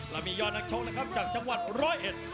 เรามียอดนักชกนะครับจากจังหวัดร้อยเอ็ด